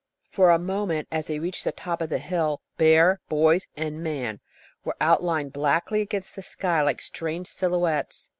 For a moment, as they reached the top of the hill, bear, boys, and man were outlined blackly against the sky like strange silhouettes.